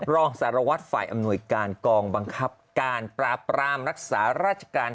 รองสารวัตรฝ่ายอำนวยการกองบังคับการปราบปรามรักษาราชการ